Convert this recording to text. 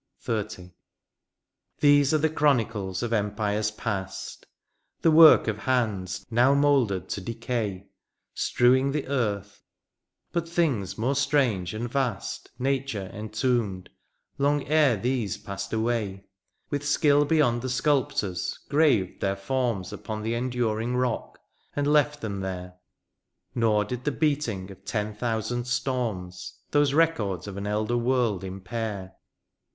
130 THE PAST. XXX. These are the chronicles of empires past, The work of hands now mouldered to decay^ Strewing the earth — ^but things more strange and vast Nature entombed^ long ere these passed away^ — With skill beyond the sculptor's graved their forms Upon the enduring rock and left them there ; Nor did the beating of ten thousand storms Those records of an elder world impair.